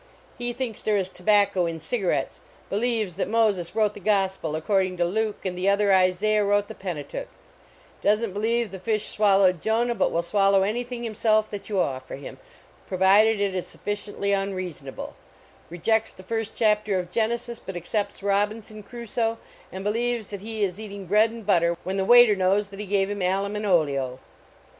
Me thinks there is tobacco in cigarettes, believes that Moses wrote the Gospel according to Luke, and the other Isaiah wrote the Pentateuch; doesn t believe the fish swallowed Jonah, but will swallow any thing himself that you offer him, provided it is sufficiently unreasonable ; re jects the first chapter of Genesis, but accepts Robin cm Crusoe, and believes that he is eat ing bread and butter when the waiter knows that he gave him alum and oleo.